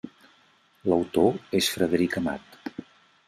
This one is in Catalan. L'autor és Frederic Amat.